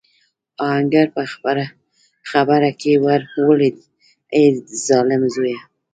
آهنګر په خبره کې ور ولوېد: اې د ظالم زويه!